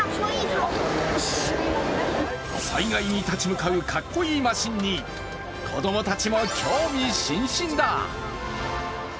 災害に立ち向かうかっこいいマシンに子供たちも興味津々だ。